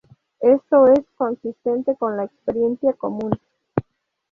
Esto es consistente con la experiencia común.